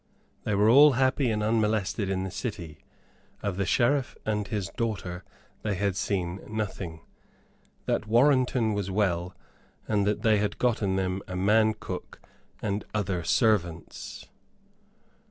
They all were happy and unmolested in the city. Of the Sheriff and his daughter they had seen nothing. That Warrenton was well, and that they had gotten them a man cook and other servants.